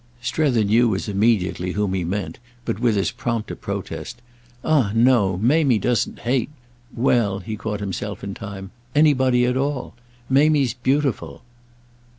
Strether knew as immediately whom he meant, but with as prompt a protest. "Ah no! Mamie doesn't hate—well," he caught himself in time—"anybody at all. Mamie's beautiful."